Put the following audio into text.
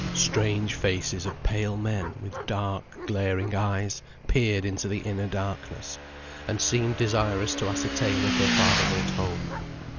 Strange faces of pale men, with dark glaring eyes, peered into the inner darkness, and seemed desirous to ascertain if her father were at home.